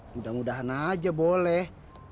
mudah mudahan aja boleh